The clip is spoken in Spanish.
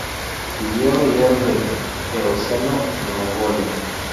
Vivió a mediados del Eoceno en Mongolia.